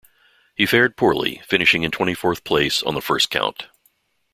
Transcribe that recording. He fared poorly, finishing in twenty-fourth place on the first count.